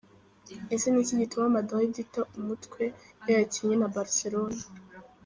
Ese niki gituma Madrid ita umutwe iyo yakinye na Barcelona?.